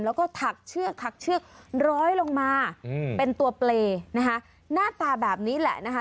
แล้วก็ถักเชือกถักเชือกร้อยลงมาเป็นตัวเปรย์นะคะหน้าตาแบบนี้แหละนะคะ